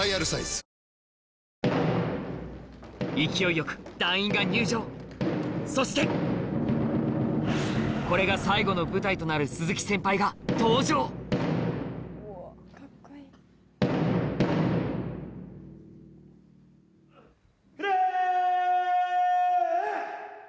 よく団員が入場そしてこれが最後の舞台となる鈴木先輩が登場フレ！